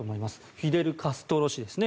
フィデル・カストロ氏ですね。